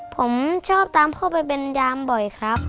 ผมชอบตามพ่อไปเป็นยามบ่อยครับ